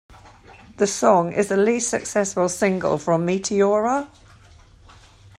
The song is the least successful single from "Meteora".